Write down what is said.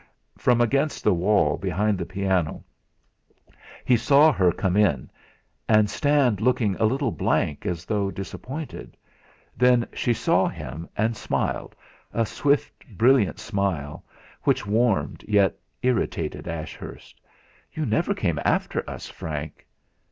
From against the wall behind the piano he saw her come in and stand looking a little blank as though disappointed; then she saw him and smiled, a swift, brilliant smile which warmed yet irritated Ashurst. "You never came after us, Frank."